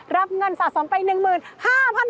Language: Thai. รับเงินสะสมไป๑๕๐๐บาท